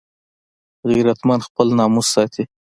غیرتمند خپل ناموس ساتي